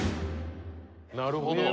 なるほど。